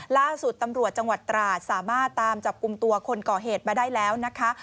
ล่าสุดตำรวจจังหวัดตราดสามารถตามจับกลุ่มตัวคนก่อเหตุมาได้แล้วนะคะ